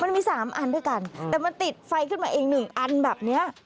มันมี๓อันด้วยกันแต่มันติดไฟขึ้นมาเองหนึ่งอันแบบเนี้ย